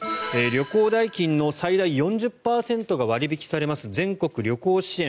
旅行代金の最大４０％が割引されます全国旅行支援